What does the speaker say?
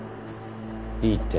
いいって？